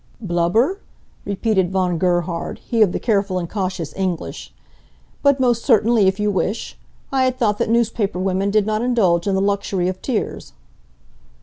"Blubber?" repeated Von Gerhard, he of the careful and cautious English. "But most certainly, if you wish. I had thought that newspaper women did not indulge in the luxury of tears."